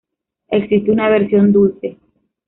Existe una versión dulce.